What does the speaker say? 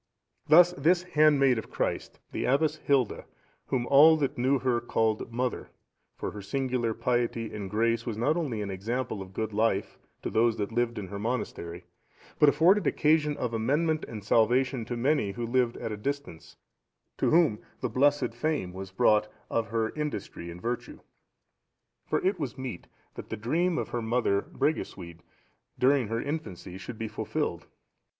Thus this handmaid of Christ, the Abbess Hilda, whom all that knew her called Mother, for her singular piety and grace, was not only an example of good life, to those that lived in her monastery, but afforded occasion of amendment and salvation to many who lived at a distance, to whom the blessed fame was brought of her industry and virtue. For it was meet that the dream of her mother, Bregusuid, during her infancy, should be fulfilled.